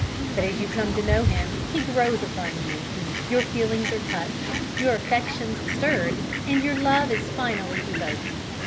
But as you come to know him he grows upon you; your feelings are touched, your affections stirred, and your love is finally evoked.